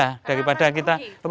iya daripada kita rugi